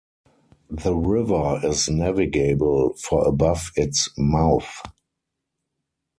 The river is navigable for above its mouth.